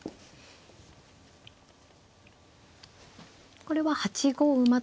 これは８五馬と。